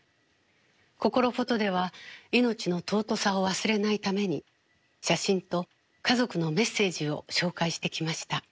「こころフォト」では命の尊さを忘れないために「写真」と家族の「メッセージ」を紹介してきました。